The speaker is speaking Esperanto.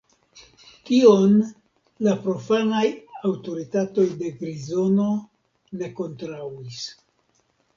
Tion la profanaj aŭtoritatoj de Grizono ne kontraŭis.